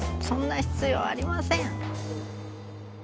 「そんな必要ありません！」。